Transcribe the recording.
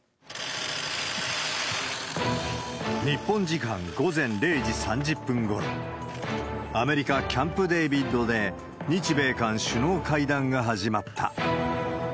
日本時間午前０時３０分ごろ、アメリカ・キャンプ・デービッドで、日米韓首脳会談が始まった。